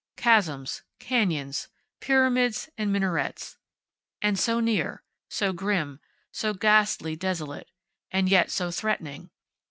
Chasms. Canyons. Pyramids and minarets. And so near. So grim. So ghastly desolate. And yet so threatening.